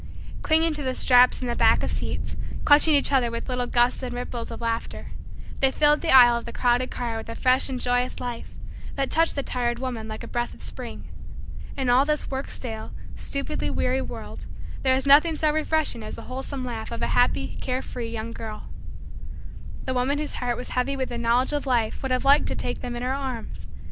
Clinging to the straps and the backs of seats, clutching each other with little gusts and ripples of laughter, they filled the aisle of the crowded car with a fresh and joyous life that touched the tired woman like a breath of spring. In all this work stale, stupidly weary, world there is nothing so refreshing as the wholesome laugh of a happy, care free, young girl. The woman whose heart was heavy with knowledge of life would have liked to take them in her arms.